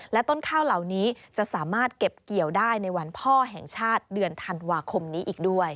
และต้นข้าวเหล่านี้จะสามารถเก็บเกี่ยวได้ในวันพ่อแห่งชาติเดือนธันวาคมนี้อีกด้วย